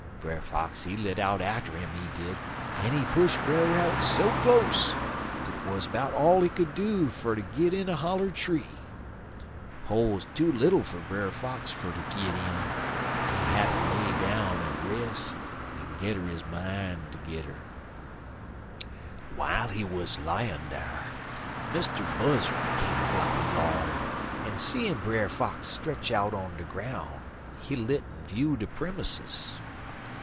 Brer Fox he lit out atter 'im, he did, en he push Brer Rabbit so close dat it wuz 'bout all he could do fer ter git in a holler tree. Hole too little fer Brer Fox fer ter git in, en he hatter lay down en res en gedder his mine tergedder. "While he wuz layin' dar, Mr. Buzzard come floppin' 'long, en seein' Brer Fox stretch out on de groun', he lit en view de premusses.